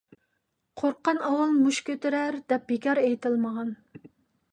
«قورققان ئاۋۋال مۇشت كۆتۈرەر» دەپ بىكار ئېيتىلمىغان.